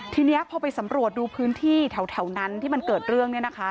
ทีนี้พอไปสำรวจดูพื้นที่แถวนั้นที่มันเกิดเรื่อง